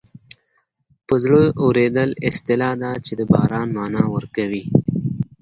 په زړه اورېدل اصطلاح ده چې د باران مانا ورکوي